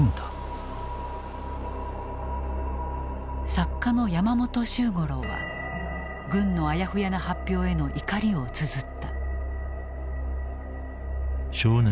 作家の山本周五郎は軍のあやふやな発表への怒りをつづった。